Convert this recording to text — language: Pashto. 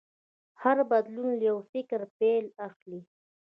هر بدلون له یو فکر پیل اخلي.